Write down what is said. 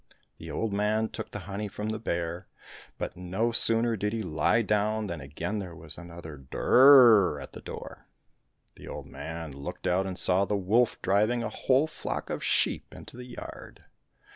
The old man took the honey from the bear, but no sooner did he lie down than again there was another " Durrrrr !" at the door. The old man looked out and saw the wolf driving a whole flock of sheep into the yard.